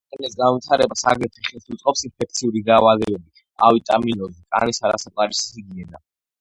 აკნეს განვითარებას აგრეთვე ხელს უწყობს ინფექციური დაავადებები, ავიტამინოზი, კანის არასაკმარისი ჰიგიენა.